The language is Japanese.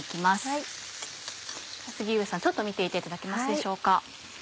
杉上さんちょっと見ていていただけますでしょうか。